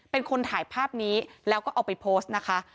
เป็นคนถ่ายภาพนี้แล้วก็เอาไปโพสต์นะคะ